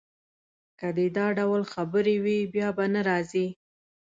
که دي دا ډول خبرې وې، بیا به نه راځې.